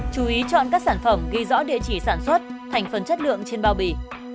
chú ý chọn các sản phẩm ghi rõ địa chỉ sản xuất thành phần chất lượng trên bao bì